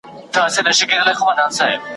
هغوی چي وران کړل کلي ښارونه ,